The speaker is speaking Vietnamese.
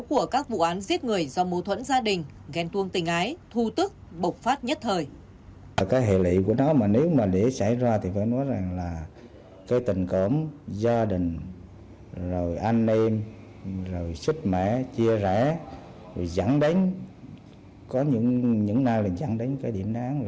của các vụ án giết người do mâu thuẫn gia đình ghen tuông tình ái thu tức bộc phát nhất thời